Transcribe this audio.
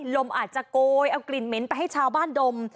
ลมอาจจะโกยเอากลิ่นเหม็นไปให้ชาวบ้านดม